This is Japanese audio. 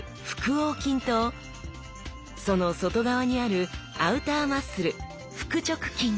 横筋とその外側にあるアウターマッスル腹直筋